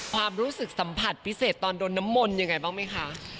ความรู้สึกสัมผัสพิเศษตอนโดนน้ำมนต์ยังไงบ้างไหมคะ